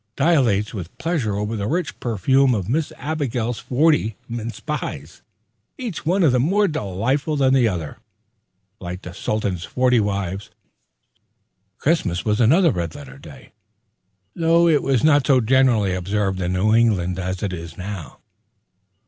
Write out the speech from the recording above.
dilates with pleasure over the rich perfume of Miss Abigail's forty mince pies, each one more delightful than the other, like the Sultan's forty wives. Christmas was another red letter day, though it was not so generally observed in New England as it is now.